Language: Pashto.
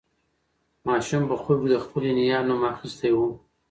ماشوم په خوب کې د خپلې نیا نوم اخیستی و.